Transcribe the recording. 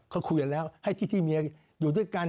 เขาคุยกันแล้วให้ที่เมียอยู่ด้วยกัน